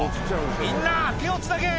「みんな手をつなげ！」